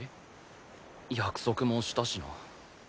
約束もしたしな。